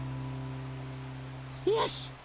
よし！